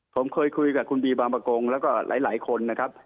ผมเคยคุยกับคุณบีบางประกงแล้วก็หลายคนนะครับ